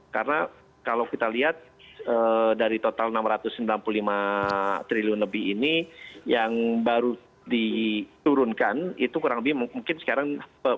karena kalau kita lihat dari total rp enam ratus sembilan puluh lima triliun lebih ini yang baru diturunkan itu kurang lebih mungkin sekarang